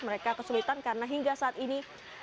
mereka kesulitan karena hingga saat ini